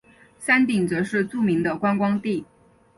山顶则是著名的观光地。